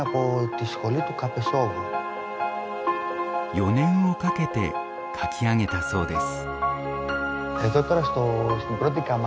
４年をかけて描き上げたそうです。